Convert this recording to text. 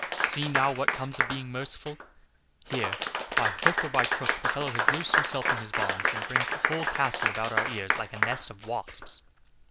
See now what comes of being merciful; here, by hook or by crook, the fellow has loosed himself from his bonds, and brings the whole castle about our ears like a nest of wasps."